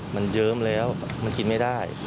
มันเยิ้มแล้วมันกินไม่ได้